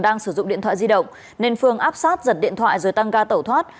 đang sử dụng điện thoại di động nền phương áp sát giật điện thoại rồi tăng ca tẩu thoát